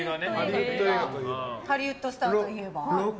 ハリウッドスターといえば？